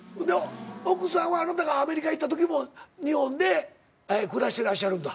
奥さんはあなたがアメリカ行ったときも日本で暮らしてらっしゃるんだ？